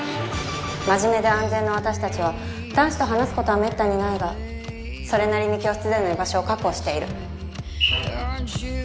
真面目で安全な私たちは男子と話すことは滅多にないがそれなりに教室での居場所を確保している。